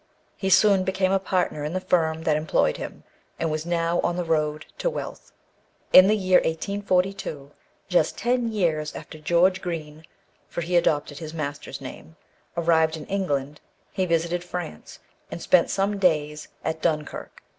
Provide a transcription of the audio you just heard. He soon became a partner in the firm that employed him, and was now on the road to wealth. In the year 1842, just ten years after George Green (for he adopted his master's name) arrived in England, he visited France, and spent some days at Dunkirk.